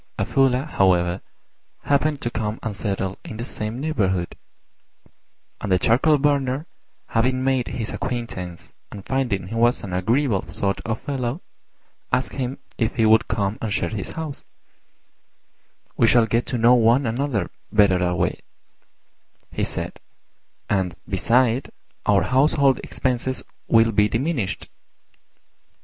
A Fuller, however, happened to come and settle in the same neighbourhood; and the Charcoal burner, having made his acquaintance and finding he was an agreeable sort of fellow, asked him if he would come and share his house: "We shall get to know one another better that way," he said, "and, beside, our household expenses will be diminished."